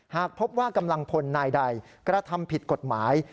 หากพบว่ากำลังพลนายใดกระทำผิดกฎหมาย